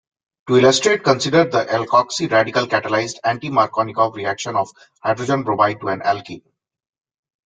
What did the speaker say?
To illustrate, consider the alkoxy radical-catalyzed, anti-Markovnikov reaction of hydrogen bromide to an alkene.